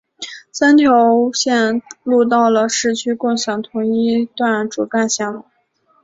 三条线路到了市区共享同一段主干线路。